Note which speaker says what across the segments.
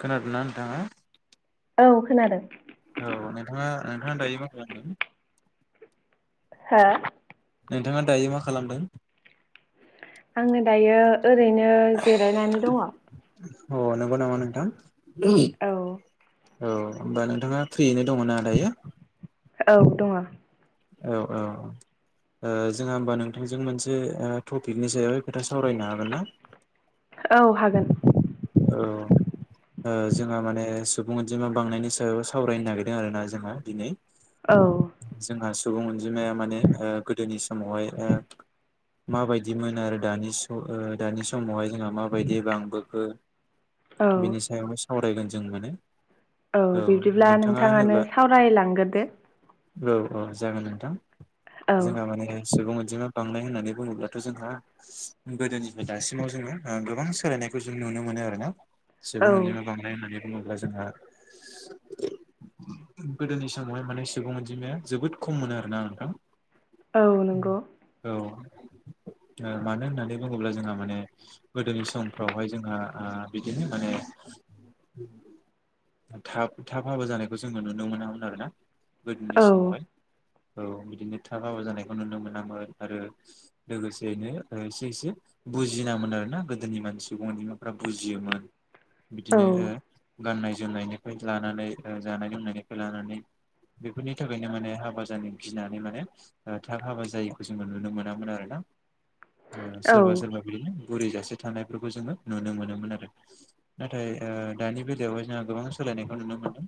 Speaker 1: खोनादोना नोंथाङा?
Speaker 2: औ खोनादों
Speaker 1: औ नोंथाङा-नोंथाङा दायो मा खालामदों?
Speaker 2: हो
Speaker 1: नोंथाङा दायो मा खालामदों
Speaker 2: आङो दायो ओरैनो जिरायनानै दङ
Speaker 1: औ नंगौ नङा नोंथां
Speaker 2: औ
Speaker 1: औ होमबा नोंथाङा फ्रियैनो दङना दायो
Speaker 2: औ दङ
Speaker 1: औ औ औ जोंहा होमबा नोंथांजों मोनसे टपिकनि सायाव खोथा सावरायनो हागोन ना
Speaker 2: औ हागोन।
Speaker 1: औ जोंहा माने सुबुं अनजिमा बांनायनि सायाव सावरायनो नागिरदों आर ना जोंहा दिनै
Speaker 2: औ
Speaker 1: जोंहा सुबुं अनजिमाया माने गोदोनि समावहाय माबायदिमोन आरो दानि स दानि समावहाय जोंहा माबायदि बांबोखो
Speaker 2: औ
Speaker 1: बिनि सायावनो सावरायगोन जों मोनो
Speaker 2: औ बिब्दिब्ला नोंथाङानो सावरायलांग्रोदो।
Speaker 1: औ औ जागोन नोंथां
Speaker 2: औ
Speaker 1: जोंहा माने सुबुं अनजिमा बांनाय होननानै बुङोब्लाथ' जोंहा गोदोनिफ्राय दासिमाव जोङो गोबां सोलायनायखौ जों नु नो मोन आरोना
Speaker 2: औ
Speaker 1: सुबुं अनजिमा बांनाय होननानै बुङोब्ला जोंहा गोदोनि समावहाय माने सुबुं अनजिमाया जोबोद खम मोनो आरोोना नोंथां
Speaker 2: औ नंगौ
Speaker 1: औ ओ मानो होननानै बुङोब्ला जोंहा माने गोदोनि समफ्रावहाय जोंहा आ बिदिनो माने थाब थाब हाबा जानायखौ जोङो नुनो मोनामोन आरोना गोदोनि
Speaker 2: औ
Speaker 1: सममावहाय औ बिदिनो थाबाबा जानायखौ नुनो मोनामोन आरो लोगोसेयैनो एसे एसे बुजिनामोन आर ना गोदोनि मानसि सुबुं बिमाफ्रा बुजियोमोन
Speaker 2: औ
Speaker 1: बिदिनो गाननाय जोमनायनिफ्राय लानानै जानाय लोंनायनिफ्राय लानानै बेफोरनि थाखायनो माने हाबा जानो गिनानै माने थाब हाबा जायैखौ जोङो नुनो मोनामोन आरोना
Speaker 2: औ
Speaker 1: सोरबा सोरबा बिदिनो बुरै जासे थानायफोरखौ जोङो नुनो मोनोमोन आरो नाथाय दानि बेलायावहाय जोंहा गोबां सोलायनायखौ नुनो मोनदों।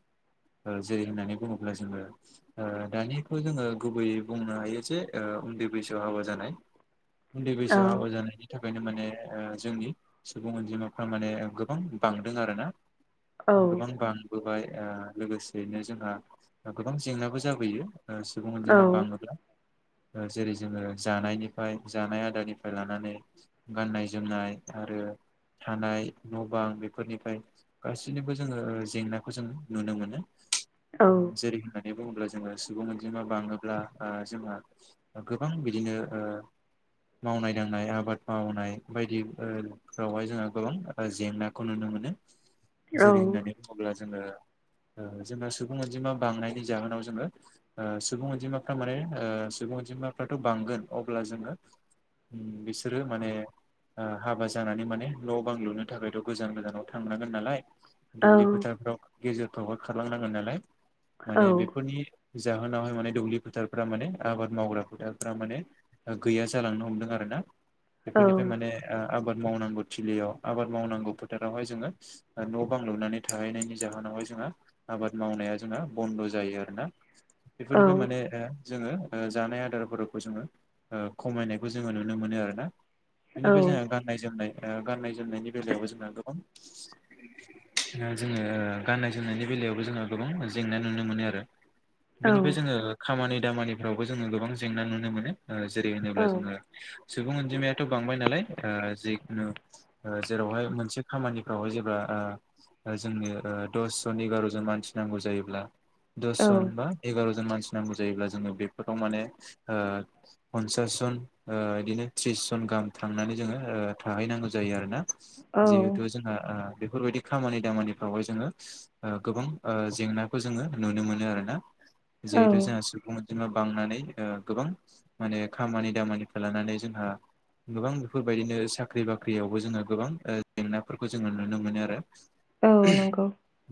Speaker 1: जेरै होननानै बुङोब्ला जोङो दानिखौ जोङो गुबैयै बुंनो हायो जे उन्दै बैसोआव हाबा जानाय उन्दै
Speaker 2: औ
Speaker 1: बैसोआव हाबा जानायनि थाखायनो माने जोंनि सुबुं अनजिमाफ्रा माने गोबां बांदों आरोना
Speaker 2: औ
Speaker 1: गोबां बांबोबाय। लोगोसेयैनो जोंहा गोबां जेंनाबो जाबोयो। ओ सुबुं
Speaker 2: औ
Speaker 1: अनजिना बाङोब्ला जेरै जोङो जानायनिफ्राय जानाय आदारनिफ्राय लानानै गाननाय जोमनाय आरो थानाय न' बां बेफोरनिफ्राय गासैनोबो जोङो जेंनाखौ जों नुनो मोनो
Speaker 2: औ
Speaker 1: जेरै होन्नानै बुङोब्ला जोङो सुबुं अनजिमा बाङोब्ला ओ जोङो गोबां बिदिनो ओ मावनाय दांनाय आबाद मावनाय बायदि ओ फोरावहाय जोंहा गोबां जेंनाखौ नुनो मोनो
Speaker 2: औ
Speaker 1: जेरै होननानै बुङोब्ला जोङो जोङो सुबुं अनजिमा बांनायनि जाहोनाव जोङो सुबुं अनजिमाफ्रा माने ओ सुबुं अनजिमाफ्राथ' बांगोन अब्ला जोङो बिसोरो माने ओ हाबा जानानै माने न' बां लुनो थाखायथ' गोजान गोजानाव थांनांगोन नालाय
Speaker 2: औ
Speaker 1: दुब्लि फोथारफ्राव गेजेरफ्रावहाय खारलांनांगोन नालाय माने बेफोरनि जाहोनावहाय माने दुब्लि फोथारफ्रा माने आबाद मावग्रा फोथारफ्रा माने गैया जालांनो हमदों आरो ना बेफोरनिफ्राय माने आबाद मावनांगौ थिलियाव आबाद मावनांगौ फोथारावहाय जोङो न' बां लुनानै थाहैनायनि जाहोनावहाय जों आबाद मावनाया जोंहा बन्द' जायो आरोना बेफोरनिफ्राय माने ओ जोङो जानाय आदारफोरखौ जोङो खमायनायखौ जोङो नुनो मोनो आरो ना बेनिफ्राय जो ग गाननाय जोमनायनि बेलायावबो जोंना गोबां दा जोङो गाननाय जोमनायनि बेलायावबो जोंहा गोबां जेंना नुनो मोनो आरो बेनिफ्राय जोङो खामानि दामानिफ्रावबो जोङो गोबां जेंना नुनो मोनो जेरै होनोब्ला जोङो सुबुं अनजिमायाथ' बांबाय नालाय ओ जिखुनु जेरावहाय मोनसे खामानिफ्रावहाय जेब्ला जोंनि दस दसे जन बा एगारजोन मानसि नांगौ जायोब्ला दन बा एगारजोन मानसि नांगौ जायोब्ला जोङो बेफोराव माने ओ फनसास जन ओ इदिनो थ्रिस जन गाहाम थांनानै जोङो थाहैनांगौ जायो आरोना
Speaker 2: औ
Speaker 1: जिहेथु जोंहा बेफोरबायदि खामानि दामानिफ्रावहाय जोङो गोबां जेंनाखौ जोङो नुनो मोनो आरोना
Speaker 2: औ
Speaker 1: जेतु जोंहा सुबुङ अनजि बांनानै गोबां माने खामानि दामानिखौ लानानै जोंहा गोबां बेफोरबायदिनो साख्रि साख्रि बाख्रियावबो जोङो गोबां जेंनाफोरखौ जोङो नुनो मोनो आरो
Speaker 2: औ नंगौ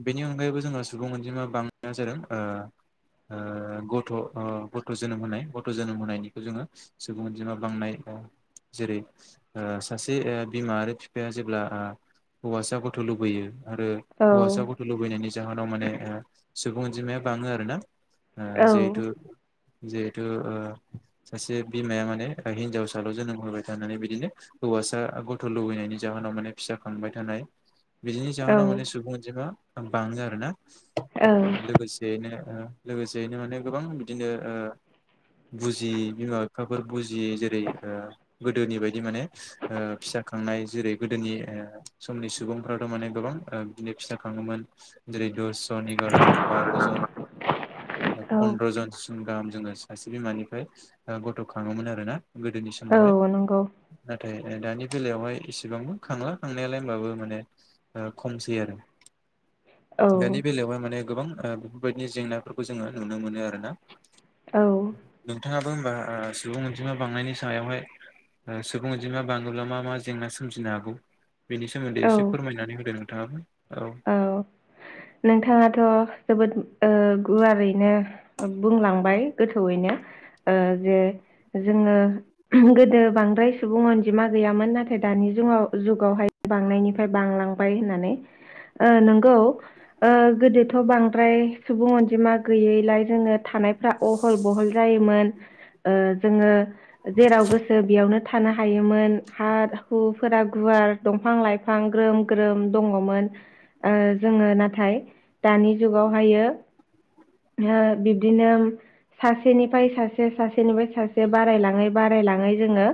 Speaker 1: बेनि अनगायैबो जोङो सुबुं अनजिमा बांनाया जादों ओ ओ गथ' गथ' जोनोम होनाय गथ' जोनोम होनायनिखौ जोङो सुबुं अनजिमा बांनाय ओ जेरै ओ सासे बिमा आरो बिफाया जेब्ला हौवासा गथ' लुबैयो आरो
Speaker 2: औ
Speaker 1: हौवासा गथ' लुबैनायनि जाहोनाव माने सुबुं अनजिमाया बाङो आर ना जिहेथु
Speaker 2: औ
Speaker 1: जिहेथु सासे बिमाया माने हिनजावसाल' जोनोम होबाय थानानै बिदिनो हौवासा गथ' लुबैनायनि जाहोनाव माने फिसा खांबाय थानाय बिदिनि जाहोनाव
Speaker 2: औ
Speaker 1: माने सुबुं अनजिमा बाङो आरो ना
Speaker 2: औ
Speaker 1: लोगोसेयैनो लोगोसेयैनो माने गोबां बिदिनो बुजि बिमा बिफाफोर बुजि जि जेरै गोदोनि बायदि माने फिसा खांनाय जेरै गोदोनि समनि सुबुंफ्राथ' माने गोबां बिदिनो फिसा खांनाय मोन जेरै दस जन एगार' जन बार'जन
Speaker 2: औ
Speaker 1: पन्द्र'जनसिम गाहाम जोङ सासे बिमानिफ्राय गथ' खाङोमोन आर ना गोदोनि समावहाय
Speaker 2: औ नंगौ
Speaker 1: नाथाय दानि बेलायावहाय इसेबांबो खांला खांनायालाय होनोमबाबो माने खमसै आरो
Speaker 2: औ
Speaker 1: दानि बेलायावहाय माने गोबां बेफोरबायदि जेंनाफोरखौ जोङो नुनो मोनो आरोना
Speaker 2: औ
Speaker 1: मानो होनबा सुबुं अनजिमा बांनायनि सायावहाय सुबुं अदि मा बाङोब्ला मा मा जेंना सोमजिनो हागौ बिनि सोमोन्दै
Speaker 2: औ
Speaker 1: एसे फोरमायनानै होदों [unintelligible]
Speaker 2: औ नोंथाङाथ' जोबोद गुवारैनो बुंलांबाय गोथौयैनो जे जोङो गोदो बांद्राय सुबुं अनजिमा गैयामोन नाथाय दानि जुगाव जुगावहाय बांनायनिफ्राय बां बांलांबाय होननानै ओ नंगौ ओ गोदोथ' बांद्राय सुबुं अनजिमा गैयैलाय जोङो थानाय अहल बहल जायोमोन ओ जोङो जेराव गोसो बेयावनो थानो हायोमोन हा हुफोरा गुवार दंफां लाइफां ग्रोम ग्रोम दङमोन। ओ जोङो नाथाय दानि जुगावहायो। ओ बिब्दिनो सासेनिफ्राय सासे सासेनिफ्राय सासे बारायलाङै बारायलाङै जोङो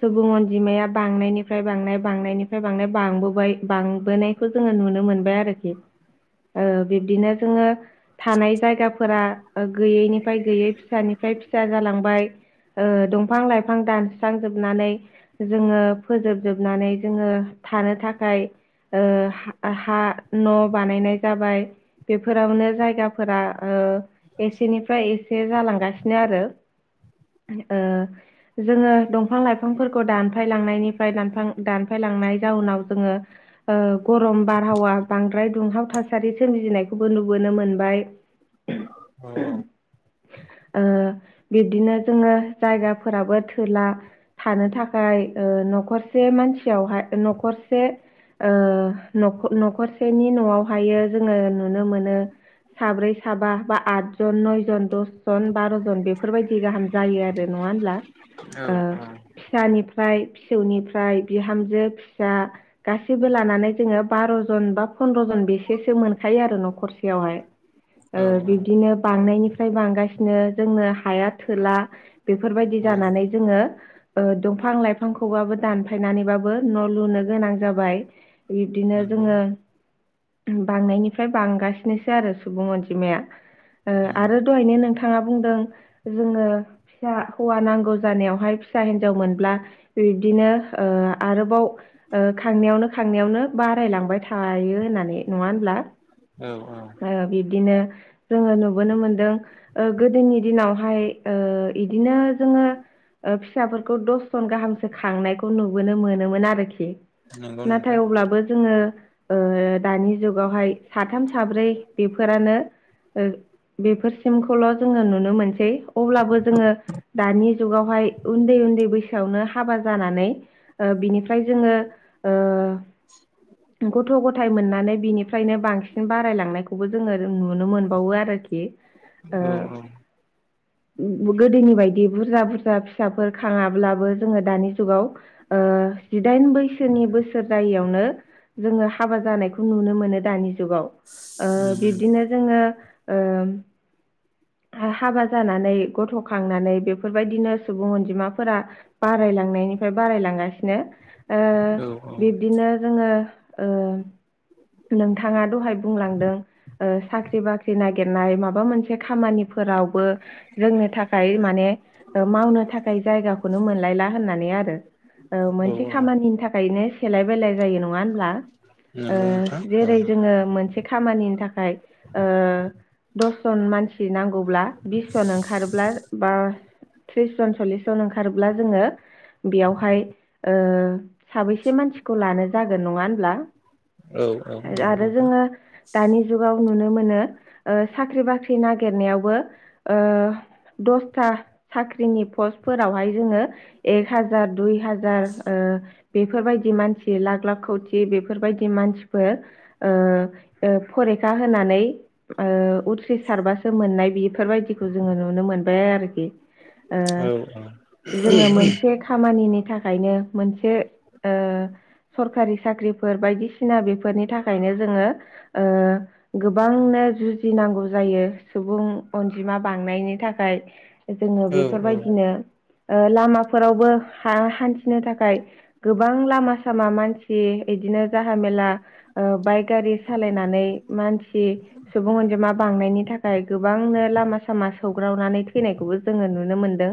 Speaker 2: सुबुं अनजिमा बिमाया बांनायनिफ्राय बांनाय बांनायनिफ्राय बांनाय बांबोबाय बांबोनायखौ जोङो नुनो मोनो आरोखि बिब्दिनो जोङो थानाय जायगाफोरा गैयैनिफ्राय गैयै फिसानिफ्राय फिसा जालांबाय। ओ दंफां लाइफां दानस्रांजोबनानै जोङो फोजोबजोबनानै जोङो थानो थाखाय ओ हा न' बानायनाय जाबाय बेफोरावनो जायगाफोरा ओ एसेनिफ्राय एसे जालांगासिनो आरो। ओ जोङो दंफां लाइफांफोरखौ दानफायलांनायनिफ्राय दानफां दानफाय लांनाय जाउनाव जोङो ओ गरम बारहावा बांद्राय दुंहाव थासारि सोमजिनायखौबो नुबोनो मोनबाय।
Speaker 1: अ
Speaker 2: ओ बिब्दिनो जोङो जायगाफोराबो थोला थानो थाखाय न'खरसे मानसियावहाय न'खरसे ओ नखर सेनि न'आवहायो जोङो नुनो मोनो। साब्रै साबा बा आदजन नयजन दसजन बार'जन बेफोर बेफोरबायदि गाहाम जायो। आरो नङा होमब्ला?
Speaker 1: औ
Speaker 2: फिसानिफ्राय फिसौनिफ्राय बिहामजो फिसा गासिबो लानानै जोङो बार' जन बा सन्द्र जन बेसेसो मोनखायो आरो न'खरसेयावहाय
Speaker 1: औ
Speaker 2: बिदिनो बांनायनिफ्राय बांगासिनो जोंनो हाया थोला बेफोरबायदि
Speaker 1: औ
Speaker 2: जानानै जोङो दंफां लाइफांखौबाबो दानफायनानैबाबो न' लुनो गोनां जाबाय। बिब्दिनो
Speaker 1: नंगौ
Speaker 2: जोङो बांनायनिफ्राय बांगासिनोसो आरो सुबुं अनजिमाया आरो दहायनो नोंथाङा बुंदों जोङो फिसा हौवा नांगौ जानायावहाय फिसा हिनजाव मोनब्ला बिब्दिनो ओ आरोबाव खांनायावनो खांनायावनो बा बारायलांबाय थायो होननानै। नङा होनब्ला?
Speaker 1: औ औ।
Speaker 2: बिदिनो जोङो नुबोनो मोनदों गोदोनि दिनावहाय ओ बिदिनो जों
Speaker 1: [inaudible]
Speaker 2: फिसाफोरखौ दस जन गाहामसो खांनायखौ नुबोनो मोनोमोन आरोखि।
Speaker 1: नंगौ
Speaker 2: नाथाय
Speaker 1: नोंथां
Speaker 2: अब्लाबो जोङो ओ दानि जुगावहाय साथाम साब्रै बेफोरानो बेफोरसिमखौल' जोङो नुनो मोनसै। अब्लाबो जोङो दानि जुगावहाय उन्दै उन्दै बैसोआवनो हाबा जानानै बिनिफ्राय जोङो ओ गथ' गथाय मोननानै बिनिफ्रायनो बांसिन बारायलांनायखौबो जोङो नुनो मोनबावो आरोखि।
Speaker 1: औ
Speaker 2: ओ
Speaker 1: औ।
Speaker 2: गोदोनि बायदि बुरजा बुरजा फिसाफोर खाङाब्लाबो जोङो दानि जुगाव ओ जिदाइ बैसोनि बोसोर जायैयावनो जोङो हाबा जानायखौ नुनो मोनो दानि जुगाव।
Speaker 1: औ
Speaker 2: बिब्दिनो जोङो ओ
Speaker 1: [inaudible]
Speaker 2: हाबा जानानै गथ'खांनानै बेफोरबायदिनो सुबुं अनजिमाफोरा बारायलांनायनि बारायलांगासिनो ओ
Speaker 1: औ
Speaker 2: बिब्दिनो जोङो ओ नोंथाङा दहाय बुंलांदों साख्रि बाख्रि नागिरनाय माबा मोनसे खामानि फोरावबो जोंनो थाखाय माने मावनो थाखाय जायगाखौनो मोनलायला होननानै आरो
Speaker 1: औ
Speaker 2: मोनसे
Speaker 1: औ
Speaker 2: खामानिनि थाखायनो सेलाय बेलाय जायो। नङा होनब्ला? ओ
Speaker 1: नंगौ नोंथां औ
Speaker 2: जेरै जोङो मोनसे खामानिनि थाखाय ओ दसजन मानसि नांगौब्ला बिस जन ओंखारोब्ला बा थ्रिस जन सल्लिस जन ओंखारोब्ला जोङो बेयावहाय ओ साबैसे मानसिखौ लानो जागोन नङा होनब्ला।
Speaker 1: औ औ नंगौ
Speaker 2: आरो
Speaker 1: नोंथां।
Speaker 2: जोङो दानि जुगाव नुनो मोनो ओ साख्रि बाख्रि नागिरनायावबो ओ दसथा साख्रिनि पस्टफोरावहाय जोङो एक हाजार दुइ हाजार ओ बेफोरबायदि मानसि लाख लाख खौथि बेफोरबायदि मानसिफोर फरिखा होनानै ओ‌उथ्रि सारबासो मोननाय बेफोरबायदिखौ जोङो नुनो मोनबाय आरोखि ओ
Speaker 1: औ औ
Speaker 2: जोङो मोनसे खामानिनि थाखायनो मोनसे सरकारि साख्रि फोर बायदिसिना बेफोरनि थाखायनो जोङो गोबांनो जुजिनांगौ जायो। जायो सुबुं अनजिमा बांनायनि थाखाय जोङो
Speaker 1: औ
Speaker 2: बेफोरबायदिनो लामाफोरावबो हान्थिनो थाखाय गोबां लामा सामा मानसि इदिनो जाहा मेला बाइक गारि सालायनानै मानसि सुबुं अनजिमा बां थांनायनि थाखाय गोबांनो लामा सामा सौग्रावनानै थैनायखौबो जोङो नुनो मोनदों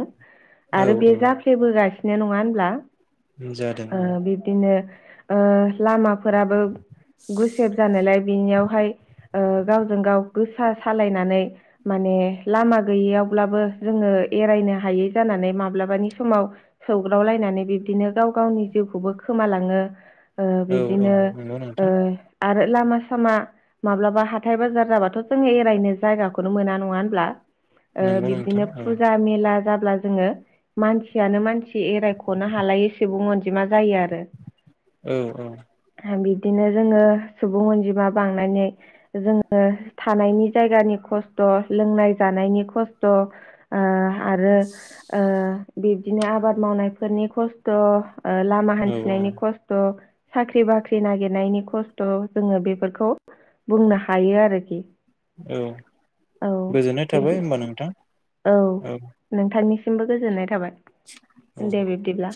Speaker 1: औ
Speaker 2: आरो बे
Speaker 1: औ
Speaker 2: जाफ्लेबोगासिनो नङा होनब्ला
Speaker 1: जादों औ
Speaker 2: बिब्दिनो लामाफोराबो गुसेब जानायलाय बिनियावहाय गावजों गाव गोसा सालायनानै माने लामा गैयैयावब्लाबो जोङो एरायनो हायै जानानै माब्लाबानि समाव सौग्रावलायनानै बिब्दिनो गाव गावनि जिउखौबो खोमालाङो ओ
Speaker 1: औ औ
Speaker 2: बिब्दिनो
Speaker 1: नंगौ
Speaker 2: ओ
Speaker 1: नोंथां
Speaker 2: आरो लामा सामा माब्लाबा हाथाय बाजार जाबाथ' जोङो एरायनो जायगाखौनो मोन मोन नङा होनब्ला
Speaker 1: नंगौ नोंथां
Speaker 2: बिदिनो
Speaker 1: औ
Speaker 2: फुजा मेला जाब्ला जोङो मानसियानो मानसि एरायख'नो हालायै सुबुं अनजिमा जायो आरो
Speaker 1: औ औ
Speaker 2: बिदिनो जोङो सुबुं अनजिमा बांनानै जोङो थानायनि जायगानि खस्थ'' लोंनाय जानायनि खस्थ ओ' आरो बे बिदिनो आबाद मावनायफोरनि खस्थ' लामा
Speaker 1: औ
Speaker 2: हान्थिनायनि खस्थ' साख्रि बाख्रि नागिरनायनि खस्थ' जोङो बेफोरखौ बुंनो हायो आरोखि
Speaker 1: औ
Speaker 2: औ
Speaker 1: गोजोननाय थाबाय
Speaker 2: बिदि
Speaker 1: होनोमबा नोंथां औ
Speaker 2: सिमबो गोजोननाय थाबाय
Speaker 1: औ
Speaker 2: दे बिब्दिब्ला